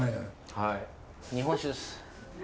はい日本酒です。え！？